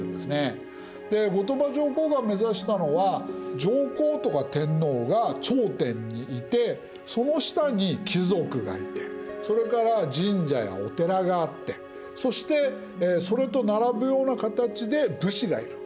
で後鳥羽上皇が目指したのは上皇とか天皇が頂点にいてその下に貴族がいてそれから神社やお寺があってそしてそれと並ぶような形で武士がいる。